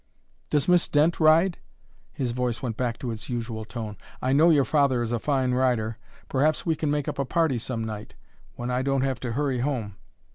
Does Miss Dent ride?" His voice went back to its usual tone. "I know your father is a fine rider. Perhaps we can make up a party some night, when I don't have to hurry home.